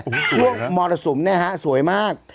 บริเวณมรสมสวยมาก